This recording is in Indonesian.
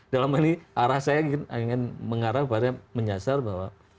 dalam hal ini arah saya ingin mengarah kepada menyasar bahwa